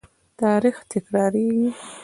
تاریخ تکرارېږي.